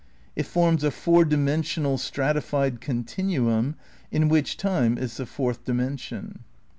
It forms a four dimensional stratified contin uum, in which time is the fourth dimension.